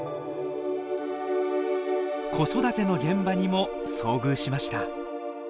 子育ての現場にも遭遇しました。